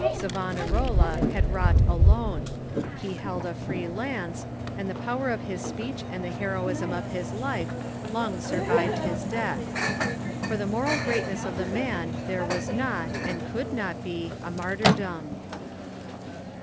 Savonarola had wrought alone. He held a free lance, and the power of his speech and the heroism of his life long survived his death. For the moral greatness of the man there was not, and could not be, a mar tyrdom.